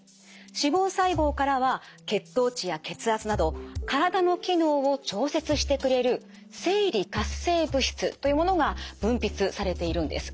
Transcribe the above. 脂肪細胞からは血糖値や血圧など体の機能を調節してくれる生理活性物質というものが分泌されているんです。